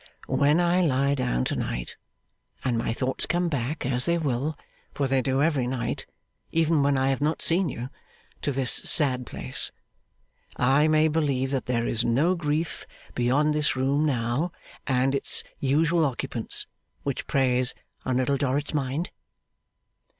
'When I lie down to night, and my thoughts come back as they will, for they do every night, even when I have not seen you to this sad place, I may believe that there is no grief beyond this room, now, and its usual occupants, which preys on Little Dorrit's mind?